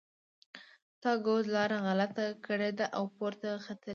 ستا ګوز لاره غلطه کړې ده او پورته ختلی.